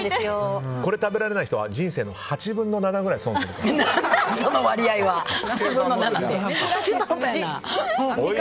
これ食べられない人は人生の８分の７ぐらい損してる。